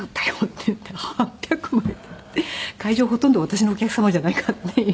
会場ほとんど私のお客様じゃないかっていう。